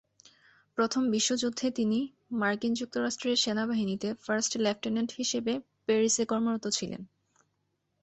প্রথম বিশ্বযুদ্ধে তিনি মার্কিন যুক্তরাষ্ট্রের সেনাবাহিনীতে ফার্স্ট লেফটেন্যান্ট হিসেবে প্যারিসে কর্মরত ছিলেন।